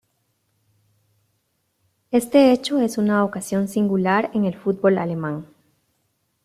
Este hecho es una ocasión singular en el fútbol alemán.